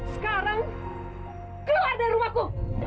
sekarang keluar dari rumahku